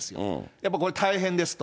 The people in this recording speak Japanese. やっぱりこれ、大変ですと。